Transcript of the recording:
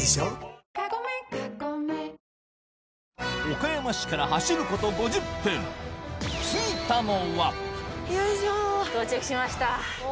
岡山市から走ること５０分よいしょ。